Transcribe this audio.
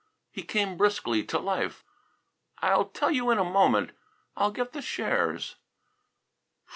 He came briskly to life. "I'll tell you in a moment. I'll get the shares."